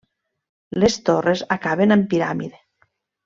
Les torres acaben amb piràmide.